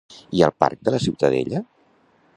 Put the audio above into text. I al parc de la Ciutadella?